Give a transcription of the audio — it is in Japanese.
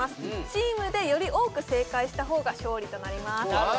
チームでより多く正解した方が勝利となります